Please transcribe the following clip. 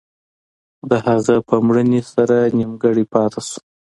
د هغه په مړینې سره نیمګړی پاتې شو.